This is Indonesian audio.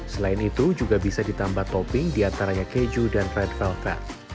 selain itu juga bisa ditambah topping diantaranya keju dan ride velvet